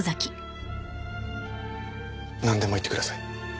なんでも言ってください。